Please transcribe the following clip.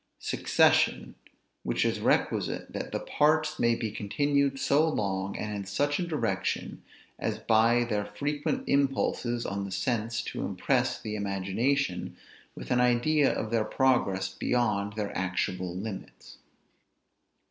Succession; which is requisite that the parts may be continued so long and in such a direction, as by their frequent impulses on the sense to impress the imagination with an idea of their progress beyond their actual limits.